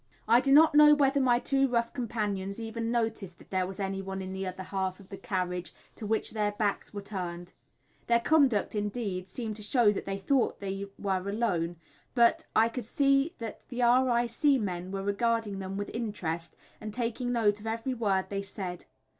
I do not know whether my two rough companions even noticed that there was anyone in the other half of the carriage, to which their backs were turned. Their conduct, indeed, seemed to show that they thought we were alone, but I could see that the R. I. C. men were regarding them with interest and taking note of every word they said.